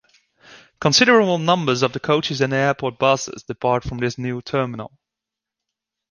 Considerable numbers of the coaches and the airport buses depart from this new terminal.